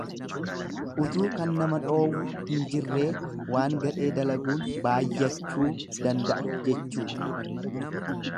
Utuu kan nama dhoowwu hin jirree waan gadhee dalaguun baayyachuu danda'a jechuudha.